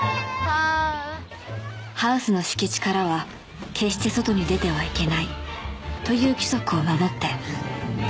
［「ハウスの敷地からは決して外に出てはいけない」という規則を守って］